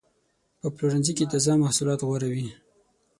په پلورنځي کې تازه محصولات غوره وي.